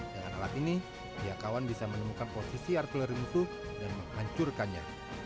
dengan alat ini pihak kawan bisa menemukan posisi artileri musuh dan menghancurkannya